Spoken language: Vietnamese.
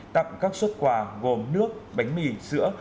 tặng các xuất quà gồm nước bánh mì sữa